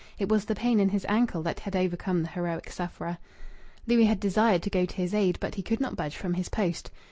It was the pain in his ankle that had overcome the heroic sufferer. Louis had desired to go to his aid, but he could not budge from his post.